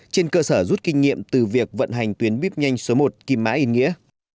trên cơ sở rút kinh nghiệm từ việc vận hành tuyến bíp nhanh số một kim mã yên nghĩa